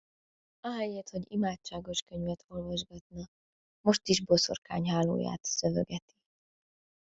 Ahelyett, hogy imádságos könyvet olvasgatna, most is boszorkányhálóját szövögeti!